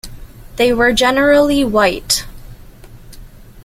They were generally white.